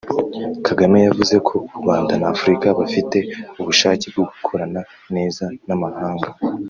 Kagame yavuze ko u Rwanda n’Afurika bafite ubushake bwo gukorana neza n’amahanga